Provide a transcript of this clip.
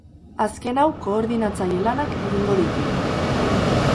Azken hau koordinatzaile lanak egingo ditu.